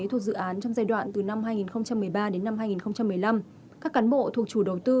thuộc dự án trong giai đoạn từ năm hai nghìn một mươi ba đến năm hai nghìn một mươi năm các cán bộ thuộc chủ đầu tư